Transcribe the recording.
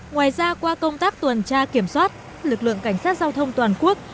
ngoài ra qua công tác tuần tra kiểm soát lực lượng cảnh sát giao thông toàn quốc